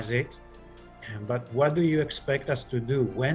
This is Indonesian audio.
tapi apa yang anda harapkan kita lakukan